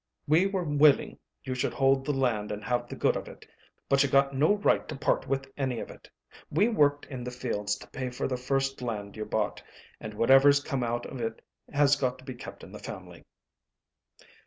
We were willing you should hold the land and have the good of it, but you got no right to part with any of it. We worked in the fields to pay for the first land you bought, and whatever's come out of it has got to be kept in the family."